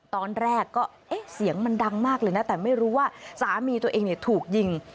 ตอนแรกก็เอ๊ะเสียงมันดังมากเลยนะแต่ไม่รู้ว่าสามีตัวเองถูกยิง